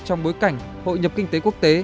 trong bối cảnh hội nhập kinh tế quốc tế